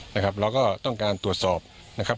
เราก็ต้องการตรวจสอบนะครับ